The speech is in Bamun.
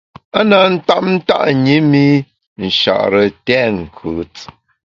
A na tap nta’ ṅi mi Nchare tèt nkùt.